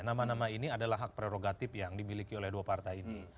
nama nama ini adalah hak prerogatif yang dimiliki oleh dua partai ini